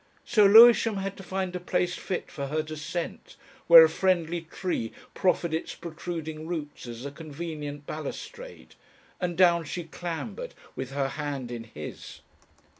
So Lewisham had to find a place fit for her descent, where a friendly tree proffered its protruding roots as a convenient balustrade, and down she clambered with her hand in his.